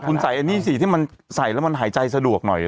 คุณใส่อันนี้สิที่มันใส่แล้วมันหายใจสะดวกหน่อย